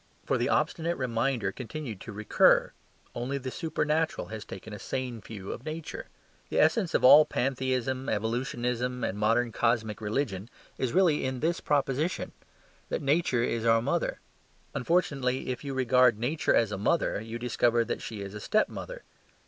For the obstinate reminder continued to recur: only the supernatural has taken a sane view of Nature. The essence of all pantheism, evolutionism, and modern cosmic religion is really in this proposition: that Nature is our mother. Unfortunately, if you regard Nature as a mother, you discover that she is a step mother.